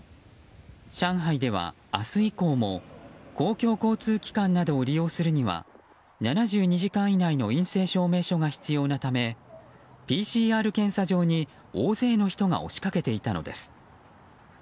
上海では明日以降も公共交通機関などを利用するには７２時間以内の陰性証明書が必要なためＰＣＲ検査場に大勢の人が押しかけていたのです。